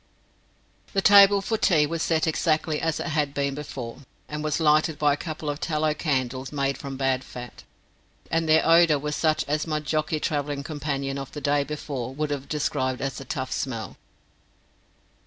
The table for tea was set exactly as it had been before, and was lighted by a couple of tallow candles made from bad fat, and their odour was such as my jockey travelling companion of the day before would have described as a tough smell.